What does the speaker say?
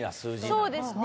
そうですね。